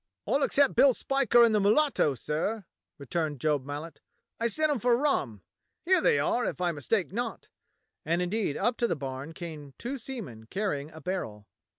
"All except Bill Spiker and the mulatto, sir," re turned Job Mallet. "I sent 'em for rum. Here they are, if I mistake not." And indeed up to the barn came two seamen carrying a barrel.